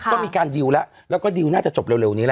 ก็มีการดิวล่ะแล้วก็ดิวล่ะน่าจะจบเร็วนี้ล่ะ